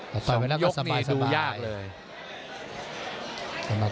แต่ต่อยไปแล้วก็สบายดูยากเลย